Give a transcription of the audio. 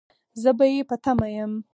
زه به يې په تمه يم